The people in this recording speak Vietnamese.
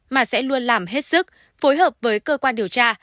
mà sẽ luôn làm hết sức phối hợp với cơ quan điều tra